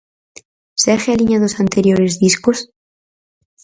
Segue a liña dos anteriores discos?